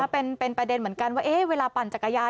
เป็นประเด็นเหมือนกันว่าเวลาปั่นจักรยาน